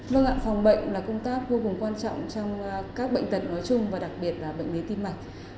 vâng ạ phòng bệnh là công tác vô cùng quan trọng trong các bệnh tật nói chung và đặc biệt là bệnh lý tim mạch